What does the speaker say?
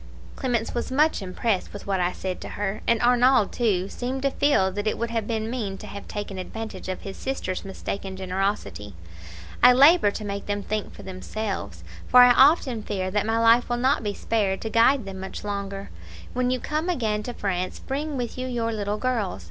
"Clemence was much impressed with what I said to her; and Arnauld, too, seemed to feel that it would have been mean to have taken advantage of his sister's mistaken generosity. I labour to make them think for themselves, for I often fear that my life will not be spared to guide them much longer. When you come again to France, bring with you your little girls.